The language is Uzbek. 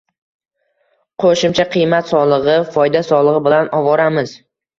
Qoʻshimcha qiymat soligʻi, foyda soligʻi bilan ovoramiz.